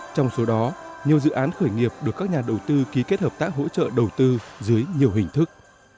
trong số đó nhiều dự án khởi nghiệp được các nhà đầu tư ký kết hợp tác hỗ trợ đầu tư dưới nhiều hình thức